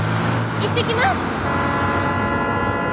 行ってきます。